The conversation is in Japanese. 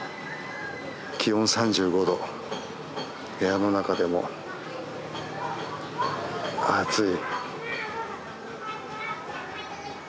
気温３５度部屋の中でも暑い。